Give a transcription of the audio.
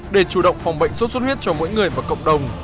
để chủ động phòng bệnh sốt xuất huyết cho mỗi người và cộng đồng